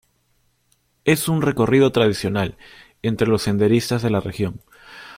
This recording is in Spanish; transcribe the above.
Es un recorrido tradicional entre los senderistas de la región.